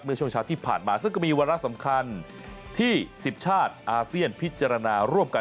ช่วงเช้าที่ผ่านมาซึ่งก็มีวาระสำคัญที่๑๐ชาติอาเซียนพิจารณาร่วมกัน